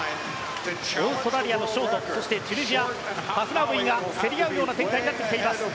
オーストラリアのショートそしてチュニジアハフナウイが競り合うような展開になってきています。